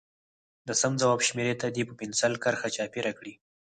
د سم ځواب شمیرې ته دې په پنسل کرښه چاپېر کړي.